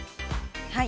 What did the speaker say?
はい。